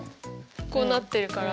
こうなってるから。